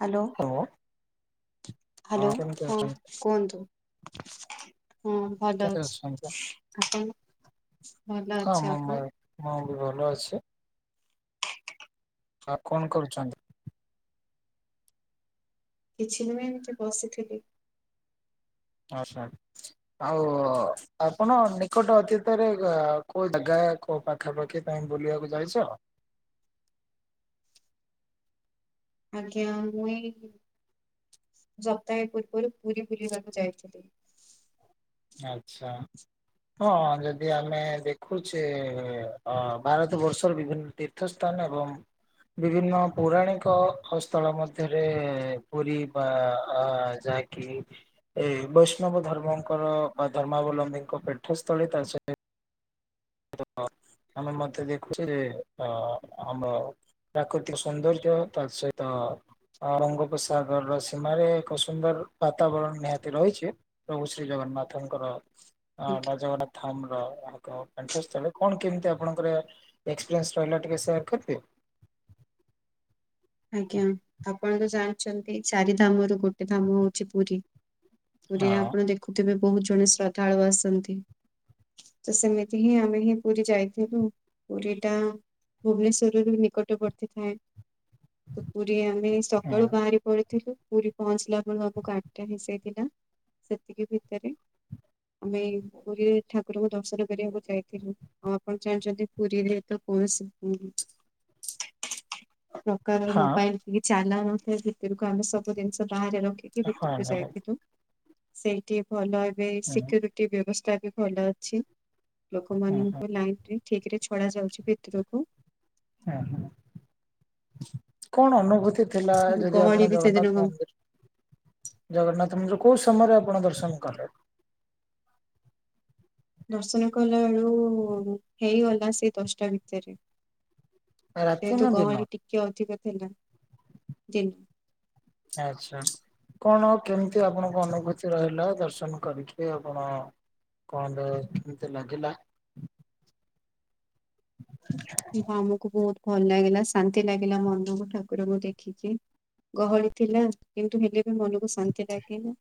Hello. [unintelligible] Hello କେମିତି ହଁ ଅଛନ୍ତି? କୁହନ୍ତୁ? ହଁ ଭଲ କେମିତି ଅଛି। ଅଛନ୍ତି? ଆପଣ? ଭଲ ହଁ ଅଛି। ମୁଁ ମ ଆପଣ? ମୁଁ ବି ଭଲ ଅଛି। ଆଉ କଣ କରୁଛନ୍ତି? କିଛି ନୁହେଁ ଏମିତି ବସିଥିଲି। ଆଚ୍ଛା। ଆଉ ଆପଣ ନିକଟ ଅତୀତରେ କୋଉ ଜାଗା କୋଉ ପାଖାପାଖି ତମେ ବୁଲିବାକୁ ଯାଇଛ? ଆଜ୍ଞା, ମୁଁ ଏଇ ଯପ୍ତାହେ ପୂର୍ବରୁ ପୁରୀ ବୁଲିବାକୁ ଯାଇଥିଲି। ଆଚ୍ଛା। ହଁ ଯଦି ଆମେ ଦେଖୁଛେ ଅଁ ଭାରତ ବର୍ଷର ବିଭିନ୍ନ ତୀର୍ ତୀର୍ଥସ୍ଥାନ ଏବଂ ବିଭିନ୍ନ ପୌରାଣିକ ହସ୍ଥଳ ମଧ୍ୟରେ-ଏ-ଏ-ଏ ପୁରୀ ବା-ଆ-ଆ-ଆ ଯା କିଏ ବୈଷ୍ଣବ ଧର୍ମଙ୍କର ବା ଧର୍ମାବଲମ୍ବୀଙ୍କ ପୀଠସ୍ଥଳୀ ତା ସହିତ୍ ତ ଆମେ ମଧ୍ୟ ଦେଖୁଛୁ ଯେ ଅ ଆମର ପ୍ରାକୃତିକ ସୌନ୍ଦର୍ଯ୍ୟ ତା ସହିତ ଅ ବଙ୍ଗୋପସାଗରର ସୀମାରେ ଏକ ସୁନ୍ଦର ବାତାବରଣ ନିହାତି ରହିଛି। ପ୍ରଭୁ ଶ୍ରୀ ଜଗନ୍ନାଥଙ୍କର ଆଜ୍ଞା ଜଗନ୍ନାଥଧାମର ତାଙ୍କ ଆଣ୍ଠସ୍ଥଳଳେ କଣ କେମିତି ଆପଣଙ୍କର ଏକ୍ସପିରିଏନ୍ସ ରହିଲା ଟିକେ ସେୟାର କରିବେ? ଆଜ୍ଞା ଆପଣ ତ ଜାଣିଛନ୍ତି ଚାରି ଧାମରୁ ଗୋଟେ ଧାମ ହଉଛି ପୁରୀ। ପୁରୀରେ ହଁ ଆପଣ ଦେଖୁଥିବେ ବୋହୁତ୍ ଜଣ ଶ୍ରଦ୍ଧାଳୁ ଆସନ୍ତି। ତ ସେମିତି ହିଁ ଆମେ ହିଁ ପୁରୀ ଯାଇଥିଲୁ। ପୁରୀ ଟା ଭୁବନେଶ୍ୱରରୁ ନିକଟବର୍ତ୍ତୀ ଥାଏ। ତ ପୁରୀ ଆମେ ହଁ ସକାଳୁ ବାହାରି ପଳ ଥିଲୁ ପୁରୀ ପହଞ୍ଚିଲା ବେଳୁ ଆମ ଗାଡିଟା [unintelligible] ସେତିକି ଭିତରେ ଆମେ ପୁରୀରେ ଠାକୁରଙ୍କୁ ଦର୍ଶନ କରିବାକୁ ଯାଇଥିଲୁ। ଆଉ ଆପଣ ଜାଣିଛନ୍ତି ପୁରୀରେ ତ କୌଣସି କାରଣ ହଁ ମୋବାଇଲ୍ କିଛି ଆଲାଉ ନଥାଏ। ଭିତରକୁ ଆମେ ସବୁ ଜିନିଷ ବାହାରେ ରଖ ରଖି ହଁ ଭିତରକୁ ନିହାତି ଯାଇଥିଲୁ। ସେଇଠି ଭଲ ଏବେ ହୁଁ ସିକୁ ରୁଟି ବ୍ୟବସ୍ଥା ବି ଭଲ ଅଛି। ହୁଁ ଲୋକମାନଙ୍କୁ ଲାଇନ୍ ରେ ଠିକ୍ ରେ ଛଣା ଯାଉଛି ଏତିକକୁ। ହୁଁ ହୁଁ। କଣ ଅନୁଭୂତି ଥିଲା ଯଦି ଗହଳି ଆପଣ ବି ସେଦିନ ଜଗନ୍ନାଥ କମ। ମନ୍ଦିର ଜଗନ୍ନାଥ ମନ୍ଦିର କୋଉ ସମୟରେ ଆପଣ ଦର୍ଶନ କଲେ? ଦର୍ଶନ କଲା ବେଳୁ ହେଇଗଲା ସେଇ ଦଶଟା ଭିତରେ। ରାତି ନା ସେହେତୁ ଦିନ? ଗହଳି ଟିକେ ଅଧିକ ଥିଲା। ତି ଆଚ୍ଛା। କଣ କେମିତି ଆପଣଙ୍କ ଅନୁଭୂତି ରହିଲା ଦର୍ଶନ କରିକି ଆପଣ କଣ କେମିତି ଲାଗିଲା ଆମକୁ ବୋହୁତ୍ ଭଲ ଲାଗିଲା ଶାନ୍ତି ଲାଗିଲା ମନକୁ ଠାକୁରଙ୍କୁ ଦେଖିକି। ଗହଳି ଥିଲା କିନ୍ତୁ ହେଲେ ବି ମନକୁ ଶାନ୍ତି ଲାଗିଲା।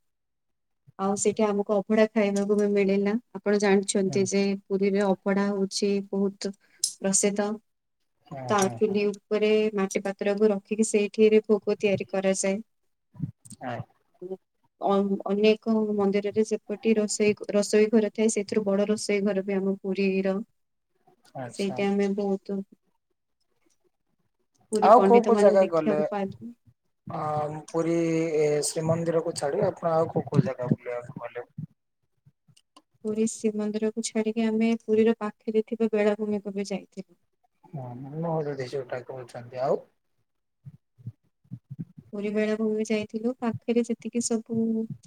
ଆଉ ସେଠି ଆମକୁ ଅଭଢା ଖାଇବାକୁ ମିଳିଲା ଆପଣ ଜାଣି ହୁଁ ଛନ୍ତି ଯେ ପୁରୀରେ ଅବଢା ହୋଉଛି ବୋହୁତ୍ ପ୍ରସିଦ୍ଧ। ହୁଁ ହୁଁ ହୁଁ ତାଳପିନ ଉପରେ ମାଟି ପାତ୍ରକୁ ରଖିକି ସେଇଥିରେ ଭୋଗ ତିଆରି କରାଯାଏ। ହଁ। [unintelligible] ଅ ଅନେକ ମନ୍ଦିରରେ ସେପଟେ ରୋଷେଇ ରଷେଇ ଘର ଥାଏ ସେଥିରୁ ବଡ ରୋଷେଇ ଘରବି ଆମ ପୁରୀର ଆଚ୍ଛା ସେଇଟା ଆମେ ବହୁତୁ ଆଉ କୋଉ ପଣ୍ଡିତ କୋଉ ମାନଙ୍କୁ ଦେଖିବାକୁ ଜାଗାଗଲେ? ପାଇଲୁ। ହଁ ପୁରୀ ଏ ଶ୍ରୀମନ୍ଦିରକୁୁ ଛାଡି ଆପଣ ଆଉ କୋଉ କୋଉ ଜାଗା ବୁଲିବାକୁ ଗଲେ? ପୁରୀ ଶ୍ରୀମନ୍ଦିରକୁୁ ଛାଡିକି ଆମେ ପୁରୀର ପାଖରେ ଥିବା ବେଳାଭୂମିକୁବି ଯାଇଥିଲୁ। ହଁ ମୋ ଯଦି ଯଉଟା କହୁଛନ୍ତି ଆଉ? ପୁରୀ ବେଳା ଭୂମି ଯାଇଥିଲୁ ପାଖରେ ଯେତିକି ସବୁ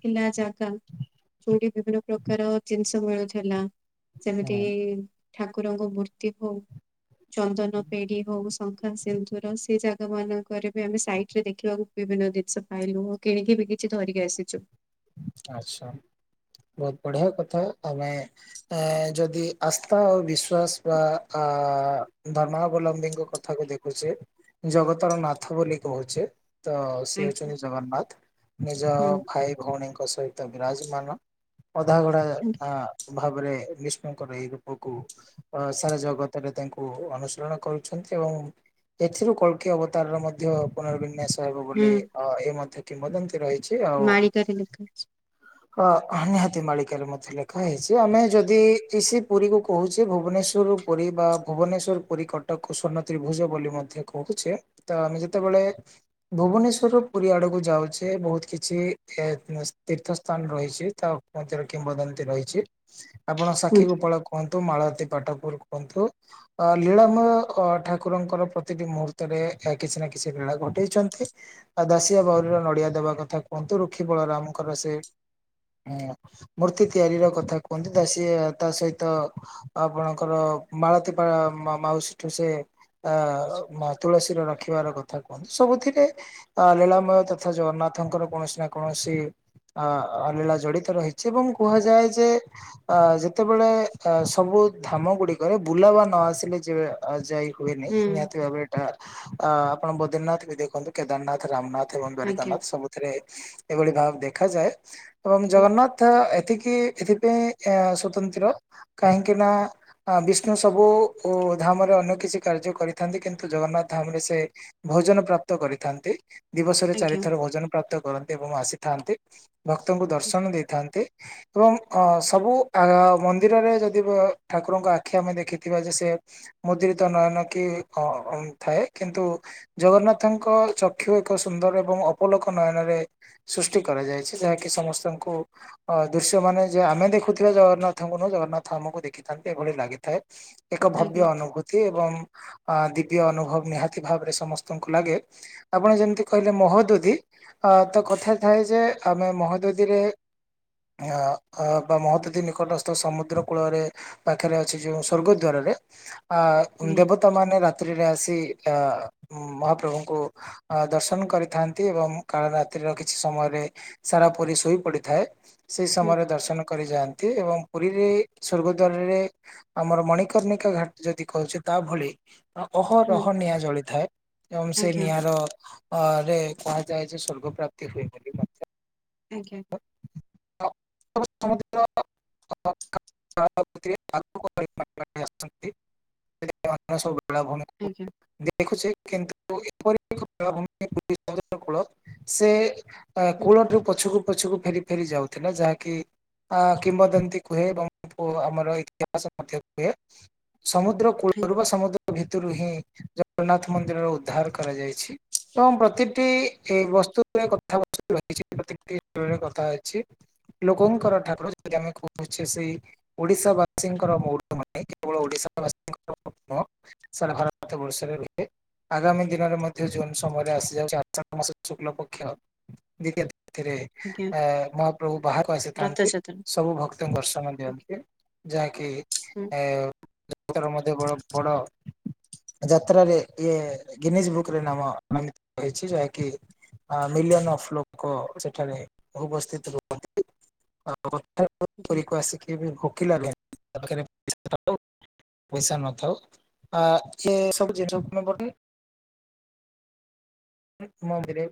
ଥିଲା ଜାଗା ଯୋଉଠି ବିଭିନ୍ନ ପ୍ରକାର ଜିନିଷ ମିଳୁଥିଲା। ଯେମିତି ହୁଁ ଠାକୁରଙ୍କ ମୂର୍ତ୍ତି ହୋଉ ଚନ୍ଦନ ପେଡି ବହୁ ଶଙ୍ଖା ସିନ୍ଦୁର ସେ ଜାଗା ମାନଙ୍କରେ ବି ଆମେ ସାଇଟ୍ରେ ଦେଖ ଦେଖିବାକୁ ବିଭିନ୍ନ ଜିନିଷ ପାଇଲୁ କିଣିକିବି କିଛି ଧରିକି ଆସିଛୁ। ଆଛା। ବୋହୁତ୍ ବଢିଆ କଥା ଆମେ ଏ ଯଦି ଆସ୍ଥା ଓ ବିଶ୍ଵାସ ବା ଆ ଧର୍ମାବଲମ୍ବୀଙ୍କ କଥାକୁ ଦେଖ ହୋଉଛେ ଜଗତର ନାଥ ବୋଲି କହୁଚେ ତ ସି ଆଜ୍ଞା ହଉଛନ୍ତି ଜଗନ୍ନାଥ। ନିଜ ହୁଁ ଭାଇ ଭଉଣୀଙ୍କୁ ତା ସହିତ ବିରାଜମାନ ଅଧାଗଢା ହୁଁ ଆ ଭାବରେ ବିଷ୍ଣୁଙ୍କର ଏଇ ରୂପକୁ ଅ ସାରା ଜଗତରେ ତାଙ୍କୁ ଅନୁସରଣ କରୁଛନ୍ତି ଏବଂ ଏଥିରୁ କଳ୍କୀ ଅବତାରର ମଧ୍ୟ ପୁନରବିନ୍ୟାସ ହେବ ହୁଁ ବୋଲି ଅ ଏ ମଧ୍ୟ କିମ୍ବଦନ୍ତୀ ରହିଛି ଆଉ ଲେଖା ମାଳିକାରେ ଅଛି। ହ ନିହାତି ମାଳିକାରେ ମଧ୍ୟ ଲେଖା ହେଇଛି ଆମେ ଯଦି କିସି ପୁରୀକୁ କହୁଛେ ଭୁବନେଶ୍ୱର ପୁରୀ ବା ଭୁବନେଶ୍ୱର ପୁରି କଟକକୁ ସ୍ୱର୍ଣତ୍ରିଭୁଜ ବୋଲି ମଧ୍ୟ କହୁଚେ। ତ ଆମେ ଯେତେବେଳେ ଭୁବନେଶ୍ୱରରୁ ପୁରୀ ଆଡକୁ ଯାଉଚେ ବହୁତ କିଛ ଏଁ ତୀର୍ଥ ସ୍ଥାନ ରହିଛି, ତାମଧ୍ୟରେ କିମ୍ବଦନ୍ତୀ ରହିଛି, ଆପଣ ହୁଁ ସାକ୍ଷୀ ଗୋପଳକୁ କୁହନ୍ତୁ, ମାଳତୀ ପାଟପୁର କୁହନ୍ତୁ। ଅ ଲୀଳାମୟ ଠାକୁରଙ୍କର ପ୍ରତିଟି ମୁହୂର୍ତ୍ତରେ କିଛି ନା କିଛି ଲୀଳା ଘଟେଇଛନ୍ତି। ଆ ଦାଶିଆ ବାଉରୀର ନଡିଆ ଦେବା କଥା କୁହନ୍ତୁ ରୁକ୍ଷୀ ବଳରାମଙ୍କର ସେ ମୂର୍ତ୍ତି ତିଆରିର କଥା କୁହନ୍ତି ଦାସିଆ ତାସହିତ ଆପଣଙ୍କର ମାଳତୀପା ମାଉସୀଠୁ ସେ ଅ ତୁଳସୀର ରଖିବାର କ କଥା କୁହନ୍ତି, ସବୁଥିରେ ଲୀଳାମୟ ତଥା ଜଗନ୍ନାଥଙ୍କର କୌଣସି ନା କୌଣସି ଅ ଅ ଲୀଳା ଜଡିତ ରହିଛି ଏବଂ କୁହାଯାଏଯେ ଅ ଯେତେବେଳେ ଏ ସବୁ ଧାମ ଗୁଡିକରେ ବୁଲାବା ନଆସିଲେ ଯେବେ ଯାଇହୁଏନି, ହୁଁ ନିହାତି ଭାବେ ଏଇଟା ଆ ଆପଣ ବଦ୍ରିନାଥବି ଦେଖନ୍ତୁ କେଦାରନାଥ ରାମନାଥ ଏବଂ ଆଜ୍ଞା ଦ୍ୱାରିକନାଥ ସବୁଥିରେ ଏଭଳି ଭାବ ଦେଖାଯାଏ। ଏବଂ ହୁଁ ଜଗନ୍ନାଥ ଏତିକି ଏଥିପାଇଁ ସ୍ଵତନ୍ତ୍ର କାହିଁକିନା ଆ ବିଷ୍ଣୁ ସବୁ ଧାମରେ ଅନ୍ୟକିଛି କାର୍ଯ୍ୟ କରିଥାନ୍ତି କିନ୍ତୁ ଜଗନ୍ନାଥ ଧାମରେ ସେ ଭୋଜନ ପ୍ରାପ୍ତ କରିଥାନ୍ତି, ଦିବସରେ ଆଜ୍ଞା ଚାରିଥର ଭୋଜନ ପ୍ରାପ୍ତ କରନ୍ତି ଏବଂ ଆସିଥାନ୍ତି। ଭକ୍ତଙ୍କୁ ଦର୍ଶନ ଦେଇଥାନ୍ତି। ଏବଂ ଅ ସବୁ ଆ ମନ୍ଦିରରେ ଯଦି ଠାକୁରଙ୍କ ଆଖି ଆମେ ଦେଖିଥିବାଯେ ସେ ମୁଦ୍ରିତ ନୟନ କି ହଁ ଥାଏ କିନ୍ତୁ ଜଗନ୍ନାଥଙ୍କ ଚକ୍ଷୁ ଏକ ସୁନ୍ଦର ଏବଂ ଅପୋଲୋକ ନୟନରେ ସୃଷ୍ଟି କରାଯାଇଛି ଯାହାକି ସମସ୍ତଙ୍କୁ ଅ ଦୃଶ୍ୟମାନ ଯେ ଆମେ ଦେଖୁଥିବା ଜଗନ୍ନାଥଙ୍କୁ ନୁହେଁ ଜଗନ୍ନାଥ ଆମକୁ ଦେଖିଥାନ୍ତି ଏଭଳି ଲାଗିଥାଏ। ଏକ ଭବ୍ୟ ଆଜ୍ଞା ଅନୁଭୂତି ଏବଂ ଦିବ୍ୟ ଅନୁଭବ ନିହାତି ଭାବରେ ସମସ୍ତଙ୍କୁ ଲାଗେ। ଆପଣ ଯେମିତି କହିଲେ ମହୋଦଧି ଅ ତ ହୁଁ କଥା ଥାଏ ଯେ ଆମେ ମହୋଦଧିରେ ଆ ମହୋଦଧି ନିକଟସ୍ଥ ସମୁଦ୍ର କୂଳରେ ପାଖରେ ଅଛି ଯେଉଁ ସ୍ବର୍ଗଦ୍ବାରରେ ଆ ଆଜ୍ଞା ଦେବ ତ ମାନେ ରାତ୍ରିରେ ଆସି ମହାପ୍ରଭୁଙ୍କୁ ଅ ଦର୍ଶନ କରିଥାନ୍ତି ଏବଂ କାଳ ରାତ୍ରୀର କି ଛି ସମୟରେ ସାରା ପୁରୀ ଶୋଇ ପଡିଥାଏ ସେଇ ହୁଁ ସମୟର ଦର୍ଶନ କରିଯାଆନ୍ତି ଏବଂ ପୁରୀରେ ସଵର୍ଗଦ୍ୱାରରେ ଆମର ମଣିକର୍ଣ୍ଣିକା ଘାଟ ଯଦି କହୁଛି ତା ଭଳି ଅହରହ ହୁଁ ନିଆଁ ଜଳିଥାଏ ଏବଂ ସେ ଆଜ୍ଞା ନିଆଁର ଅ ରେ କୁହାଯାଏ ଯେ ସ୍ଵର୍ଗ ପ୍ରାପ୍ତି ହୁଏ ବୋଲି। ମଧ୍ୟ ଆଜ୍ଞା। [unintelligible] [unintelligible] ବେଳାଭୂମି ଆଜ୍ଞା। ଦେଖୁଛି, କିନ୍ତୁ ଏପରି ଏକ ବେଳାଭୂମି ପୁରୀ ସମୁଦ୍ର କୂଳ ସେ ହୁଁ ଆଜ୍ଞା କୂଳଠୁ ପଛକୁ ପଛୁକୁ ଫେରି ଫେରି ଯାଉଥିଲା ଯାହାକି ଅ କିମ୍ବଦନ୍ତୀ କୁହେ ଏବଂ ଆମର ଇତିହାସ ମଧ୍ୟ କୁହେ ସମୁଦ୍ର କୁୂଳରୁ ବା ସମୁଦ୍ର ଭିତରୁ ହିଁ ଜଗନ୍ନାଥ ମନ୍ଦିରର ଉଦ୍ଧାର କରାଯାଇଛି। ଏବଂ ପ୍ରତିଟି ଏ ବସ୍ତୁରେ କଥା ରହିଛି ପ୍ରତିଟି କଥା ଅଛି। ଲୋକଙ୍କର ଠାକୁର ଆମେ କହୁଛେ ସେଇ ଓଡିଶା ବାସୀଙ୍କର ମଉଡ କେବଳ ଓଡ଼ିଶାସୀଙ୍କର ନୁହଁ ସାରା ଭାରତ ବର୍ଷରେ ରୁହେ। ଆଗାମୀ ଦିନରେ ମଧ୍ୟ ଜୁନ୍ ସମୟରେ ଆସିଯାଉଛି ଆଷାଢ ମାସ ଶୁକ୍ଲପକ୍ଷ ଦିତୀୟା ତିଥିରେ ଆଜ୍ଞା ଆ ମହାପ୍ରଭୁ ବାହାରକୁ ଆସିଥାନ୍ତି ରଥଯାତ୍ରା ସବୁ ଭକ୍ତଙ୍କୁ ଦର୍ଶନ ଆଜ୍ଞା ଦିଅନ୍ତି ଯାହାକି [unintelligible] ବଡ ଯାତ୍ରାରେ ଇଏ ଗିନିଜ ବୁକରେ ନାମ ନାମିତ ହେଛି ଯାହାକି ମିଲିୟନ ଅଫ ଲୋକ ସେଠାରେ ଉପସ୍ଥିତ ରୁହନ୍ତି। ଆଜ୍ଞା। [unintelligible] ପଇସା ନଥାଉ ଆ ସେ ସବୁ ଜିନିଷପତ୍ର ଭରିନି ମନ୍ଦିରେ